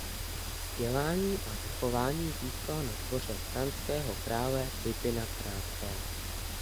Vzdělání a vychování získal na dvoře franského krále Pipina Krátkého.